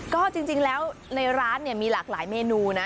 ก็จริงแล้วในร้านเนี่ยมีหลากหลายเมนูนะ